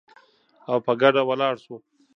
او په ګډه ولاړ شو